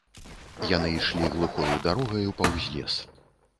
Яны ішлі глухою дарогаю паўз лес.